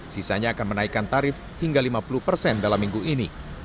sisanya akan menaikkan tarif hingga lima puluh persen dalam minggu ini